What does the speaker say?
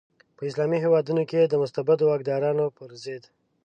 په اسلامي هیوادونو کې د مستبدو واکدارانو پر ضد.